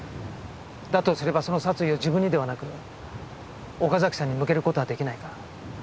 だとすればその殺意を自分にではなく岡崎さんに向ける事は出来ないか。